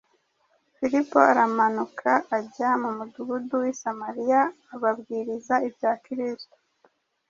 Filipo aramanuka, ajya mu mudugudu w’i Samariya, ababwiriza ibya Kristo.